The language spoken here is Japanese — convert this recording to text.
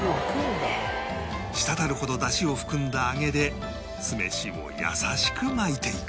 滴るほどだしを含んだ揚げで酢飯を優しく巻いていく